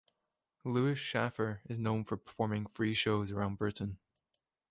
Lewis Schaffer is known for performing free shows around Britain.